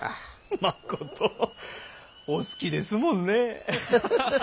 まことお好きですもんねぇ。